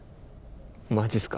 マジっすか？